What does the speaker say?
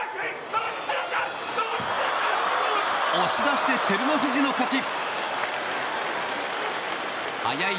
押し出して照ノ富士の勝ち。